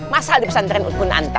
masalah di pesantren udkun anto